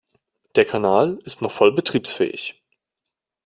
Der Kanal ist noch voll betriebsfähig.